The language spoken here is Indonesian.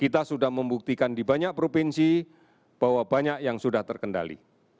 kita sudah membuktikan di banyak provinsi bahwa banyak yang sudah terkendali